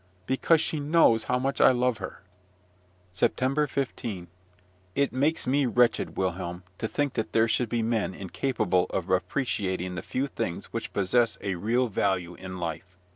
Because she knows how much I love her. SEPTEMBER 15. It makes me wretched, Wilhelm, to think that there should be men incapable of appreciating the few things which possess a real value in life.